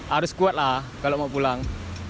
harus kuat lah kalau mau pulang